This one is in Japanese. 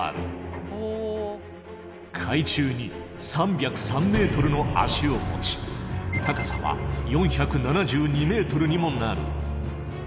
海中に３０３ｍの脚を持ち高さは４７２ｍにもなる。